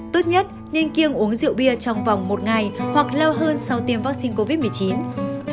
tốt nhất nên kiêng uống rượu bia trong vòng một ngày hoặc lâu hơn sau tiêm vaccine covid một mươi chín